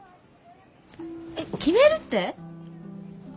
えっ決めるって！？